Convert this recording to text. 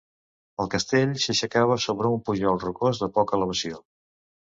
El castell s'aixecava sobre un pujol rocós de poca elevació.